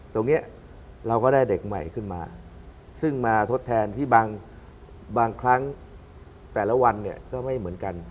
ตรงนี้เราก็ได้เด็กใหม่ขึ้นมาซึ่งมาทดแทนที่บางครั้งแต่ละวันเนี่ยก็ไม่เหมือนกัน